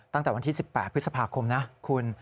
ตั้งแต่วันที่๑๘พฤษภาคมนะคุณ